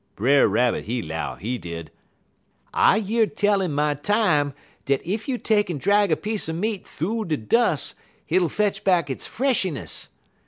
Brer Rabbit he 'low, he did: "'I year tell in my time dat ef you take'n drag a piece er meat thoo' de dus' hit'll fetch back hits freshness.